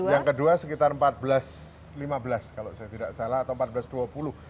yang kedua sekitar seribu empat ratus lima belas kalau saya tidak salah atau seribu empat ratus dua puluh